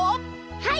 はい。